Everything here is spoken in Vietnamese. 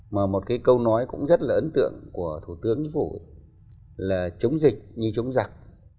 mà một cái câu nói cũng rất là ấn tượng của thủ tướng chính phủ là chống dịch như chống giặc